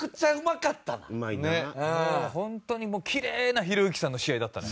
本当にもうキレイなひろゆきさんの試合だったね。